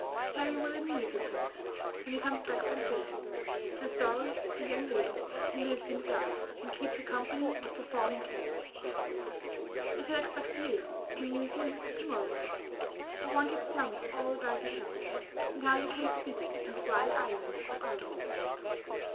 How you will amuse your friend, when he comes back from fishing, with the story of the young lady who lives in the dark, and keeps a company of performing cats! I shall expect you to amuse me to morrow I want you to tell me all about yourself, and how you came to visit these wild islands of ours.